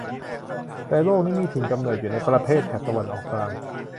แต่โรคนี้มีถิ่นกำเนิดอยู่ในประเทศแถบตะวันออกกลาง